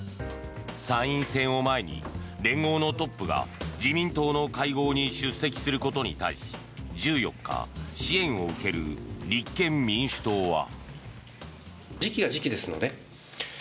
参院選を前に連合のトップが自民党の会合に出席することに対し１４日、支援を受ける立憲民主党は。